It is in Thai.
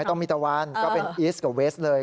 ต้องมีตะวันก็เป็นอีสกับเวสเลย